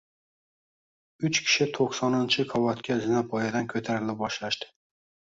Uch kishi toʻqsoninchi qavatga zinapoyadan koʻtarila boshlashdi.